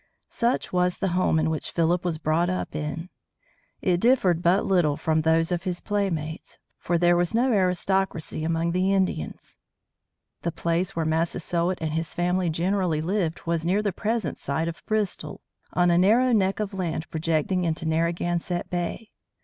Such was the home in which Philip was brought up. It differed but little from those of his playmates, for there was no aristocracy among the Indians. The place where Massasoit and his family generally lived was near the present site of Bristol, on a narrow neck of land projecting into Narragansett Bay.